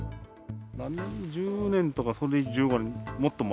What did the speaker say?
１０年とか１５年、もっと前